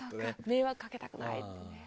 迷惑かけたくないってね。